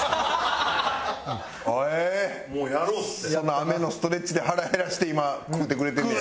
雨のストレッチで腹減らして今食うてくれてんねや。